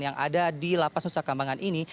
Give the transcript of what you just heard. yang ada di lapas lapis keambangan ini